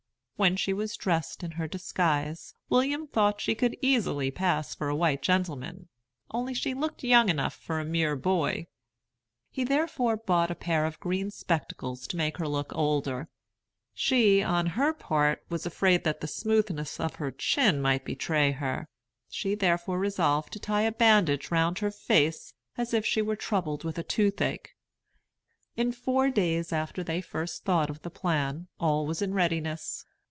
When she was dressed in her disguise, William thought she could easily pass for a white gentleman, only she looked young enough for a mere boy; he therefore bought a pair of green spectacles to make her look older. She, on her part, was afraid that the smoothness of her chin might betray her; she therefore resolved to tie a bandage round her face, as if she were troubled with toothache. In four days after they first thought of the plan, all was in readiness.